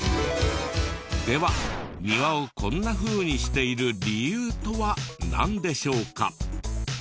では庭をこんなふうにしている理由とはなんでしょうか？